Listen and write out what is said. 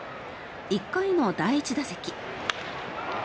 １回の第１打席。